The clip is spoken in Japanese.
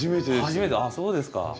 ああそうですか。